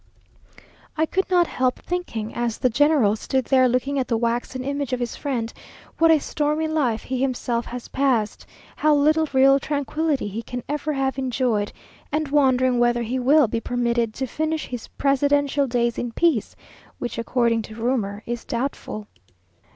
I could not help thinking, as the general stood there looking at the waxen image of his friend, what a stormy life he himself has passed; how little real tranquillity he can ever have enjoyed, and wondering whether he will be permitted to finish his presidential days in peace, which, according to rumour, is doubtful.